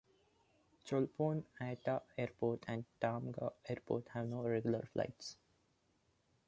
Cholpon-Ata Airport and Tamga Airport have no regular flights.